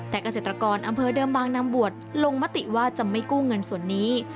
แต่เกษตรกรอำเภอเดิมบางนำบวชลงมติว่าจะไม่กู้เงินส่วนนี้